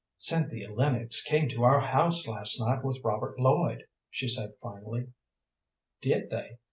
"Cynthia Lennox came to our house last night with Robert Lloyd," she said, finally. "Did they?"